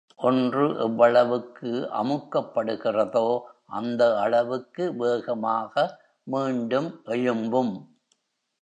ஒன்று எவ்வளவுக்கு அமுக்கப்படுகிறதோ அந்த அளவுக்கு வேகமாக மீண்டும் எழும்பும்.